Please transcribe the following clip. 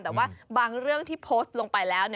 แต่ว่าบางเรื่องที่โพสต์ลงไปแล้ว